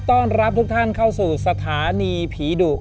ต้อนรับทุกท่านเข้าสู่สถานีผีดุ